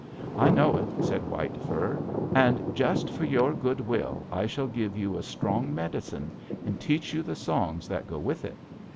"'I know it,' said White Fur, 'and just for your good will I shall give you a strong medicine, and teach you the songs that go with it.